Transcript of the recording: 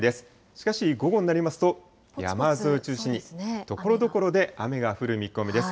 しかし、午後になりますと、山沿いを中心にところどころで雨が降る見込みです。